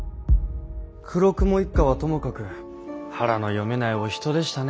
黒雲一家はともかく腹の読めないお人でしたね